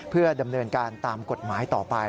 เพื่อดำเนินการตามกฎหมายต่อไป